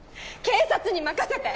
警察に任せて！